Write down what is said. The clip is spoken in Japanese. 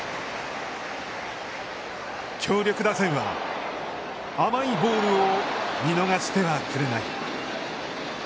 強力打線は、甘いボールを見逃してはくれない。